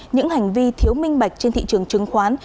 những hành vi thiếu minh bạch trên thị trường chứng khoán